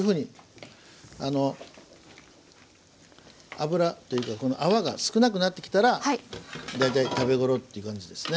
油というかこの泡が少なくなってきたら大体食べ頃っていう感じですね。